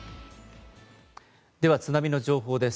では津波の情報です。